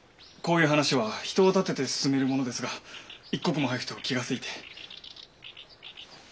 こういう話は人を立てて進めるものですが一刻も早くと気がせいて。